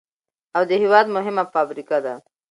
او د هېواد مهمه فابريكه ده،